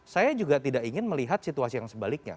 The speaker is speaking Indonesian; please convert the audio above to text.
saya juga tidak ingin melihat situasi yang sebaliknya